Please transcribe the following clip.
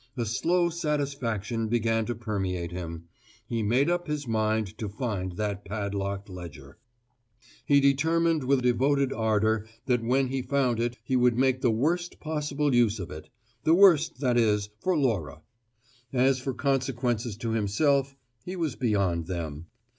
A slow satisfaction began to permeate him: he made up his mind to find that padlocked ledger. He determined with devoted ardour that when he found it he would make the worst possible use of it: the worst, that is, for Laura. As for consequences to himself, he was beyond them.